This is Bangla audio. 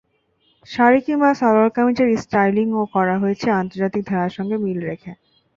শাড়ি কিংবা সালোয়ার-কামিজের স্টাইলিংও করা হয়েছে আন্তর্জাতিক ধারার সঙ্গে মিল রেখে।